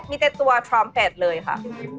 มีแต่ตัวทอมแฟดเลยค่ะ